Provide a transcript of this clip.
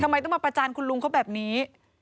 ทำไมต้องมาประจานคุณลุงเขาแบบนี้